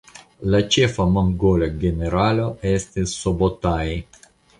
La ĉefa mongola generalo estis Subotai.